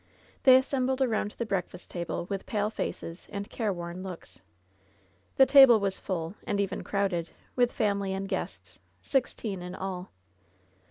They assembled aronnd the breakfast table with pale faces and careworn looks. The table was full, and even crowded, with family and guests — sixteen in all.